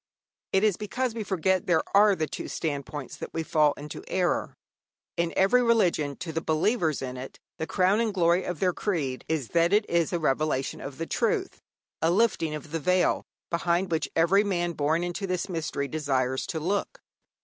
It is because we forget there are the two standpoints that we fall into error. In every religion, to the believers in it, the crown and glory of their creed is that it is a revelation of truth, a lifting of the veil, behind which every man born into this mystery desires to look.